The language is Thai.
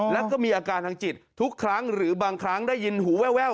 แล้วก็มีอาการทางจิตทุกครั้งหรือบางครั้งได้ยินหูแว่ว